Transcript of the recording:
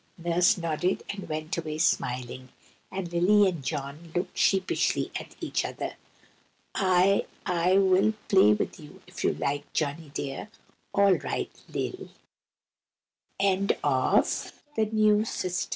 Nurse nodded, and went away smiling, and Lily and John looked sheepishly at each other. "I—I will play with you, if you like, Johnny, dear." "All right, Lil." BUTTERCUP GOLD. OH!